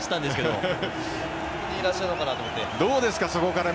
どこにいらっしゃるのかなと思って。